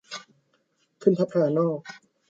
ขึ้นพลับพลานอก